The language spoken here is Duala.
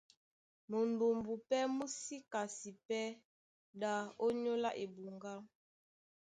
Mudumbu pɛ́ mú sí kasi pɛ́ ɗá ónyólá ebuŋgá.